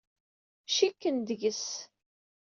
Cikken deg-s.